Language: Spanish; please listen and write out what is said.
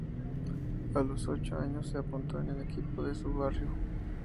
A los ocho años se apuntó en el equipo de su barrio.